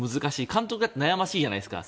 監督だって悩ましいじゃないですか。